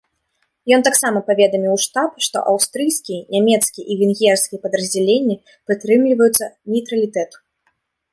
Ён таксама паведаміў у штаб, што аўстрыйскія, нямецкія і венгерскія падраздзяленні прытрымліваюцца нейтралітэту.